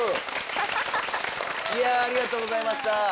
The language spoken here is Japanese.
いやありがとうございました。